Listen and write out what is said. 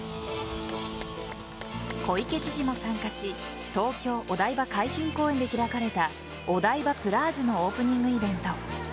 小池知事も参加し東京・お台場海浜公園で開かれたお台場プラージュのオープニングイベント。